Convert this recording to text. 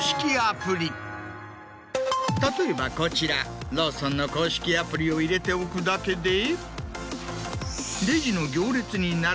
例えばこちらローソンの公式アプリを入れておくだけで。